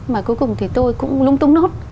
mà cuối cùng thì tôi cũng lúng túng nốt